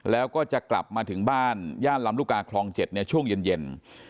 แล้วก็จะกลับมาถึงบ้านย่านลำลูกกาคลอง๗ในช่วงเย็น